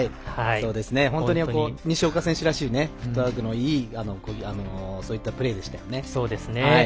本当に西岡選手らしいフットワークのいいそういったプレーでしたよね。